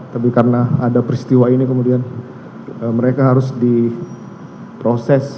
tapi karena ada peristiwa ini kemudian mereka harus diproses